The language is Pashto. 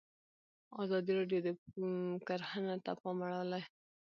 ازادي راډیو د کرهنه ته پام اړولی.